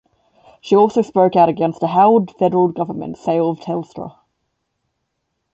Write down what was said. She also spoke out against the Howard federal government's sale of Telstra.